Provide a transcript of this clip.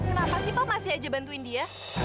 kenapa sih kok masih aja bantuin dia